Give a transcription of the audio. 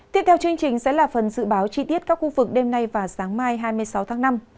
tiếp theo chương trình sẽ là phần dự báo chi tiết các khu vực đêm nay và sáng mai hai mươi sáu tháng năm